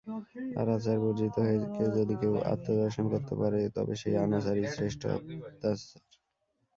আর আচার-বর্জিত হয়ে যদি কেউ আত্মদর্শন করতে পারে, তবে সেই অনাচারই শ্রেষ্ঠ আচার।